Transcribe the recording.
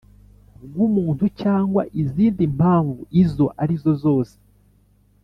Bw umuntu cyangwa izindi mpamvu izo arizo zose